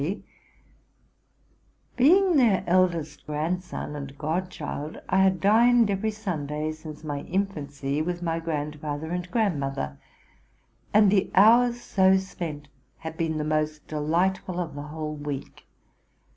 Being their eldest grandson and godchild, I had dined every Sunday since my infancy with my grandfather and grandmother; and the hours so spent had been the most A() TRUTH AND FICTION delightful of the whole week.